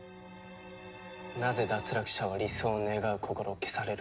なぜ脱落者は理想を願う心を消されるのか。